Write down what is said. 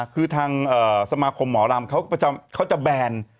คือทางสมาคมหมอรามเขาจะแบรนด์